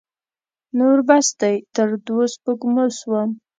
نور بس دی؛ تر دوو سپږمو سوم.